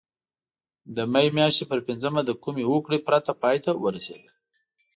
د مې میاشتې پر پینځمه له کومې هوکړې پرته پای ته ورسېده.